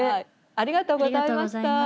・ありがとうございます。